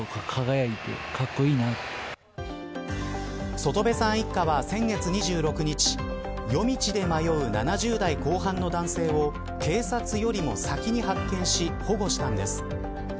外部さん一家は、先月２６日夜道で迷う７０代後半の男性を警察よりも先に発見し保護したんです。